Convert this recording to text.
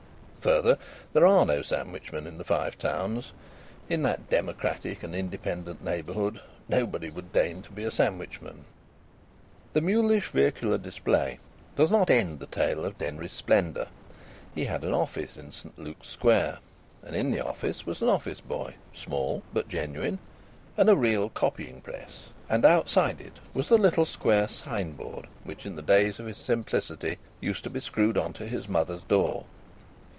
Further, there are no sandwichmen in the Five Towns; in that democratic and independent neighbourhood nobody would deign to be a sandwichman. The mulish vehicular display does not end the tale of Denry's splendour. He had an office in St Luke's Square, and in the office was an office boy, small but genuine, and a real copying press, and outside it was the little square signboard which in the days of his simplicity used to be screwed on to his mother's door.